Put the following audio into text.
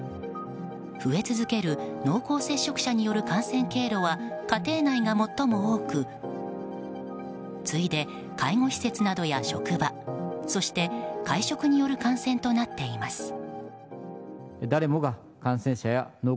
増え続ける濃厚接触者による感染経路は家庭内が最も多く次いで、介護施設などや職場そして、会食による感染となっています。